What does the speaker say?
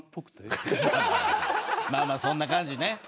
まあまあそんな感じね。